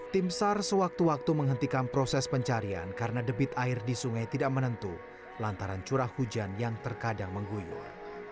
tim sar sewaktu waktu menghentikan proses pencarian karena debit air di sungai tidak menentu lantaran curah hujan yang terkadang mengguyur